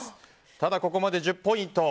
ただここまで１０ポイント。